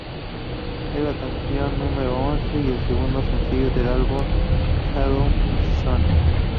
Es la canción número once y el segundo sencillo de su álbum "Shadow Zone".